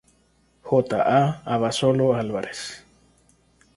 J. A. Abasolo Álvarez.